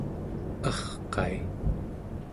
arqai